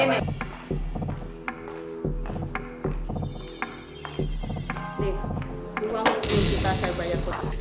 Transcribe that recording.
nih uang sepuluh juta saya bayar kotak